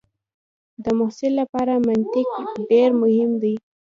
د محصل لپاره منطق ډېر مهم دی.